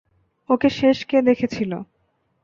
ওকে শেষ কে দেখেছিল?